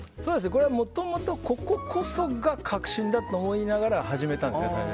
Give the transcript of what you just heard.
これは、もともとこれこそが核心だと思いながら始めたんですね。